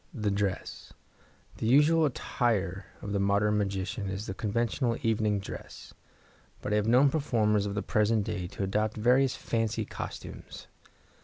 The Dress.—The usual attire of the modern magician is the conventional evening dress, but I have known performers of the present day to adopt various fancy costumes.